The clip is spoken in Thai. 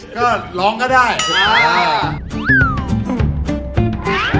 ก็ร้องก็ได้